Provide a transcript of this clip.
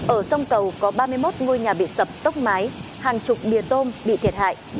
ở sông cầu có ba mươi một ngôi nhà bị sập tốc mái hàng chục bìa tôm bị thiệt hại